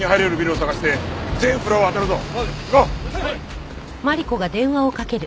はい！